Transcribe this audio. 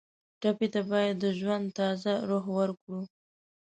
ټپي ته باید د ژوند تازه روح ورکړو.